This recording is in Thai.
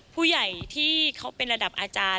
ผู้ใหญ่ที่เขาเป็นระดับอาจารย์